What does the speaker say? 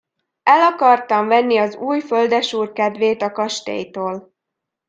El akartam venni az új földesúr kedvét a kastélytól.